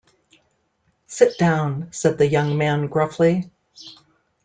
‘Sit down,’ said the young man, gruffly.